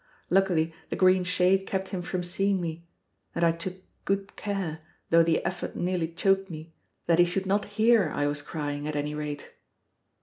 Luckily, the green shade kept him from seeing me: and I took good care, though the effort nearly choked me, that he should not hear I was crying, at any rate.